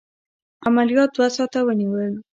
عملیات دوه ساعته ونیول.